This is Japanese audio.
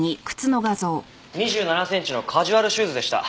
２７センチのカジュアルシューズでした。